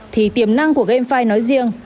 thì tiềm năng của gamefi nói riêng